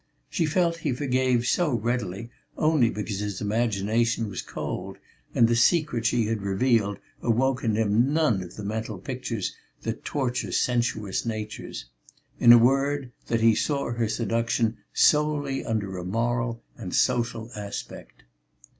She felt he forgave so readily only because his imagination was cold and the secret she had revealed awoke in him none of the mental pictures that torture sensuous natures, in a word, that he saw her seduction solely under a moral and social aspect.